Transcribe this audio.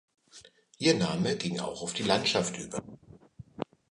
Ihr Name ging auch auf die Landschaft über.